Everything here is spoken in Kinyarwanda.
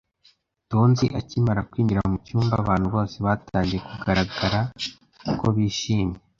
Tonzi akimara kwinjira mucyumba, abantu bose batangiye kugaragara ko bishimye.